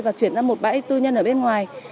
và chuyển ra một bãi tư nhân ở bên ngoài